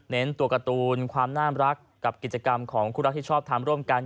ตัวการ์ตูนความน่ารักกับกิจกรรมของคู่รักที่ชอบทำร่วมกัน